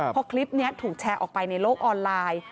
พอคลิปนี้ถูกแชร์ออกไปในโลกออนไลน์